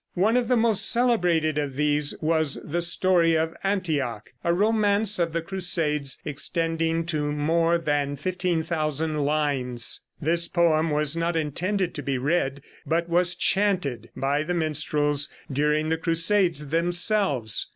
One of the most celebrated of these was the "Story of Antioch," a romance of the crusades, extending to more than 15,000 lines. This poem was not intended to be read, but was chanted by the minstrels during the crusades themselves.